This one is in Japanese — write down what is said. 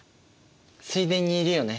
水田にいるよね。